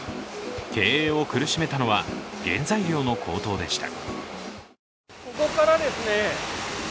経営を苦しめたのは原材料の高騰でした。